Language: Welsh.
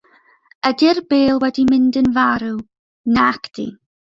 Ydi'r bêl wedi mynd yn farw – nac ydi.